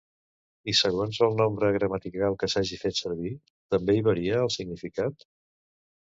I segons el nombre gramatical que s'hagi fet servir, també hi varia el significat?